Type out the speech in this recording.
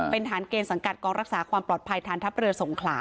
เป็นฐานเกณฑ์สังกัดกองรักษาความปลอดภัยฐานทัพเรือสงขลา